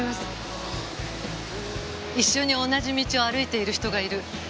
一緒に同じ道を歩いている人がいる。